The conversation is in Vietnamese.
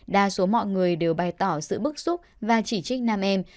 đa số mọi người đều bày tỏ sự bức xúc và chỉ trích nam em